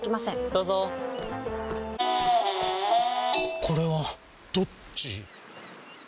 どうぞこれはどっち？